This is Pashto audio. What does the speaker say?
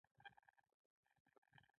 د تورن په دې لوبه خورا ساعت تېر وو.